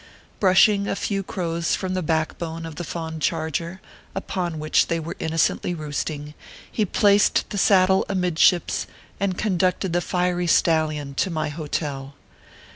Brushing a few crows from the back bone of the fond charger, upon which they were inno cently roosting, he placed the saddle amidships, and conducted the fiery stallion to my hotel.